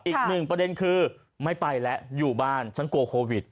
อีกหนึ่งประเด็นคือไม่ไปแล้วอยู่บ้านฉันกลัวโควิด